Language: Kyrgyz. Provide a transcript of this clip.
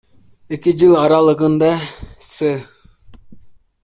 Эки жыл аралыгында С.